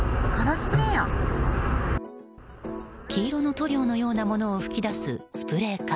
黄色の塗料のようなものを噴き出すスプレー缶。